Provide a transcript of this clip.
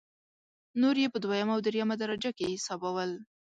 نور یې په دویمه او درېمه درجه کې حسابول.